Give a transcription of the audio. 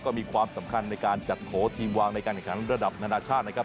ก็มีความสำคัญในการจัดโถทีมวางในการแข่งขันระดับนานาชาตินะครับ